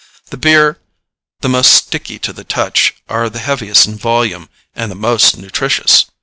The beers the most sticky to the touch are the heaviest in volume and the most nutritious.